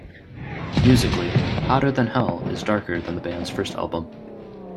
Musically, "Hotter Than Hell" is darker than the band's first album.